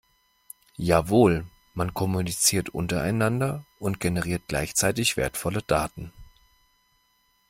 Jawohl, man kommuniziert untereinander und generiert gleichzeitig wertvolle Daten.